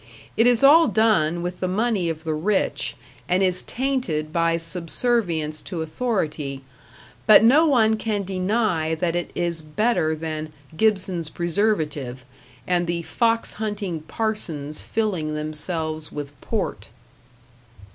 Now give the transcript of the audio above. It is all done with the money of the rich, and is tainted by subservience to authority, but no one can deny that it is better than "Gibson's Preservative", and the fox hunting parsons filling themselves with port.